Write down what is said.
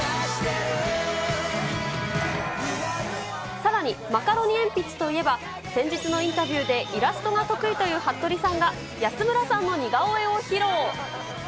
さらに、マカロニえんぴつといえば、先日のインタビューでイラストが得意というはっとりさんが、安村さんの似顔絵を披露。